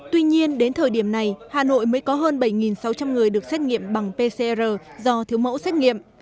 tuy nhiên đến thời điểm này hà nội mới có hơn bảy sáu trăm linh người được xét nghiệm bằng pcr do thiếu mẫu xét nghiệm